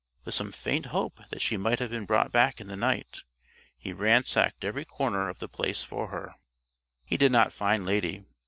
With some faint hope that she might have been brought back in the night, he ransacked every corner of The Place for her. He did not find Lady.